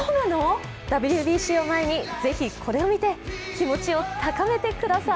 ＷＢＣを前に、ぜひこれを見て気持ちを高めてください。